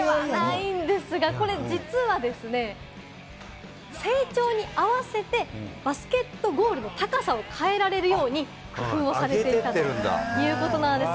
実はですね、成長に合わせて、バスケットゴールの高さを変えられるように工夫をされているということなんです。